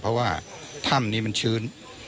เพราะว่าถ้ำนี้มันชื้น